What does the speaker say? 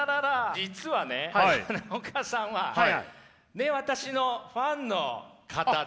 実はね花岡さんは私のファンの方で。